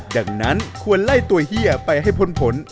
ดังนั้นควรไล่ตัวเฮียไปให้พ้นผล